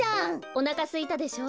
おなかすいたでしょ？